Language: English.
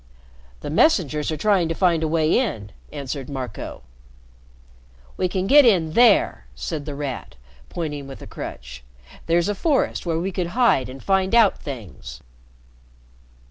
"The messengers are trying to find a way in," answered Marco. "We can get in there," said The Rat, pointing with a crutch. "There's a forest where we could hide and find out things."